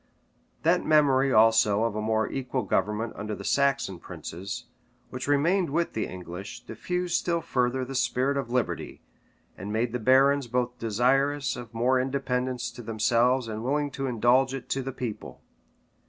That memory also of a more equal government under the Saxon princes, which remained with the English, diffused still further the spirit of liberty, and made the barons both desirous of more independence to themselves and willing to indulge it to the people.